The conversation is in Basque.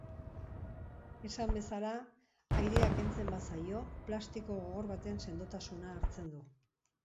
Esan bezala, airea kentzen bazaio, plastiko gogor baten sendotasuna hartzen du.